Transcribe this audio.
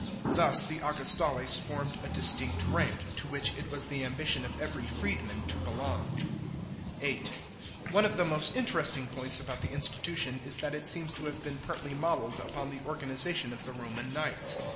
Thus the Augustales formed a distinct rank, to which it was the ambition of every freedman to belong. (8) One of 68 ADMINISTRATION OF AUGUSTUS. CHAP. v. the most interesting points about the institution is that it seems to have been partly modelled upon the organisation of the Roman knights.